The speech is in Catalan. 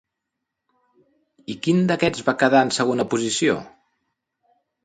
I quin d'aquests va quedar en segona posició?